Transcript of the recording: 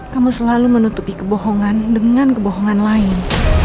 kamu selalu menutupi kebohongan dengan kebohongan lain